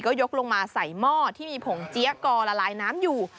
ก็ยกลงมาใส่หม้อที่มีผงเจี๊ยกอละลายน้ำอยู่